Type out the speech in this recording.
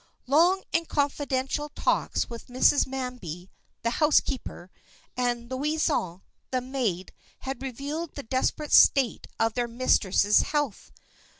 Long and confidential talks with Mrs. Manby, the housekeeper, and Louison, the maid, had revealed the desperate state of their mistress's health.